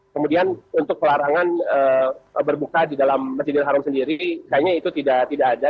kemudian untuk larangan berbuka di dalam masjid al haram sendiri kayaknya itu tidak ada